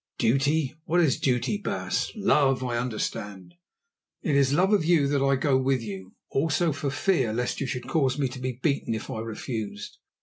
"Duty; what is duty, baas? Love I understand. It is for love of you that I go with you; also for fear lest you should cause me to be beaten if I refused.